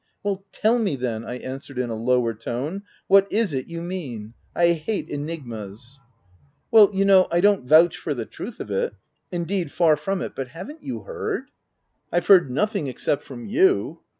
" Well, tell me then/' I answered in a lower tone ; "what is it you mean ? I hate enigmas/'' "Well you know, I don't vouch for the truth of it— indeed, far from it — but haven't you heard —" m " I've heard nothing , except from you."